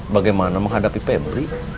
bagaimana menghadapi pebri